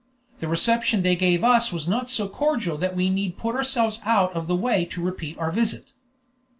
The reception they gave us was not so cordial that we need put ourselves out of the way to repeat our visit."